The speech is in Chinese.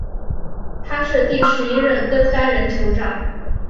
他是第十一任登丹人酋长。